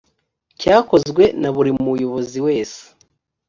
cyakozwe na buri muyobozi wese